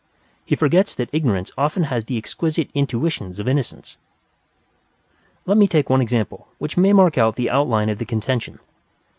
He forgets that ignorance often has the exquisite intuitions of innocence. Let me take one example which may mark out the outline of the contention.